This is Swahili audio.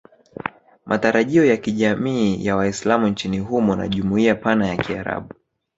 Matarajio ya kijamii ya Waislamu nchini humo na jumuiya pana ya Kiarabu